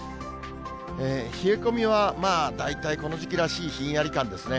冷え込みはまあ大体この時期らしいひんやり感ですね。